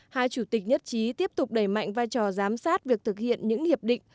hai chủ tịch nhất trí tiếp tục đẩy mạnh vai trò giám sát việc thực hiện những hiệp định